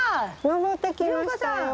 登ってきましたよ。